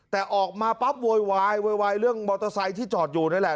แต่ออกมาปั๊บโวยวายโวยวายเรื่องมอเตอร์ไซค์ที่จอดอยู่นั่นแหละ